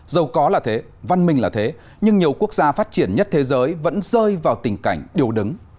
giàu có là thế văn minh là thế nhưng nhiều quốc gia phát triển nhất thế giới vẫn rơi vào tình cảnh điều đứng